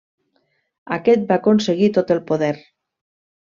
Aquest va aconseguir tot el poder.